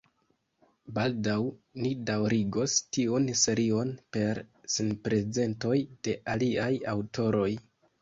Baldaŭ ni daŭrigos tiun serion per sinprezentoj de aliaj aŭtoroj.